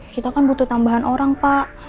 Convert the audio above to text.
kita kan butuh tambahan orang pak